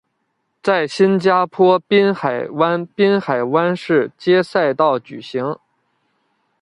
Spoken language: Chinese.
在新加坡滨海湾滨海湾市街赛道举行。